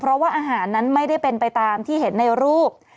เพราะว่าอาหารนั้นไม่ได้เป็นไปตามที่เห็นในรูป